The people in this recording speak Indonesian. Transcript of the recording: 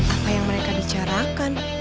apa yang mereka bicarakan